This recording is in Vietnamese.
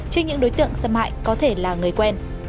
trên những đối tượng xâm hại có thể là người quen